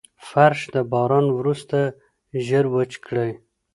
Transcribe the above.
فرش د باران وروسته ژر وچ کړئ.